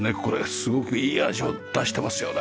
すごくいい味を出してますよね。